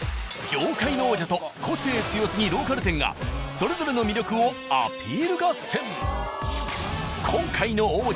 業界の王者と個性強すぎローカル店がそれぞれの魅力をアピール合戦。